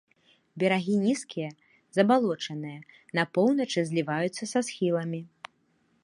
Берагі нізкія, забалочаныя, на поўначы зліваюцца са схіламі.